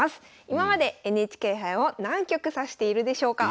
今までＮＨＫ杯を何局指しているでしょうか？